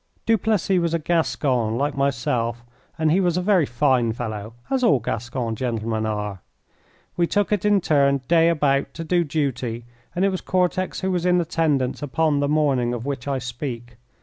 Duplessis was a Gascon, like myself, and he was a very fine fellow, as all Gascon gentlemen are. We took it in turn, day about, to do duty, and it was Cortex who was in attendance upon the morning of which I speak.